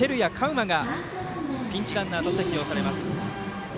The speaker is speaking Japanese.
羽がピンチランナーとして起用されます。